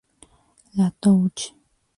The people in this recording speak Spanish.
La Touche